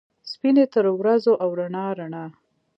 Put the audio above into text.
سپینې ترورځو ، او رڼا ، رڼا